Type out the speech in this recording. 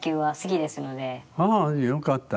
ああよかった。